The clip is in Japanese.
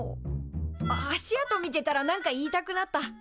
あ足跡見てたら何か言いたくなった。